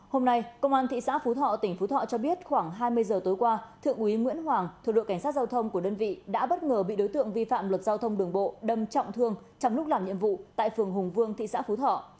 hôm nay công an thị xã phú thọ tỉnh phú thọ cho biết khoảng hai mươi giờ tối qua thượng úy nguyễn hoàng thuộc đội cảnh sát giao thông của đơn vị đã bất ngờ bị đối tượng vi phạm luật giao thông đường bộ đâm trọng thương trong lúc làm nhiệm vụ tại phường hùng vương thị xã phú thọ